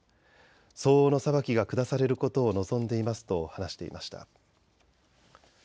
相応の裁きが下されることを望んでいますと話していました。